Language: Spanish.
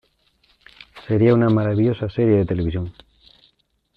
Sería una maravillosa serie de televisión".